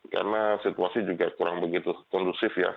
karena situasi juga kurang begitu kondusif ya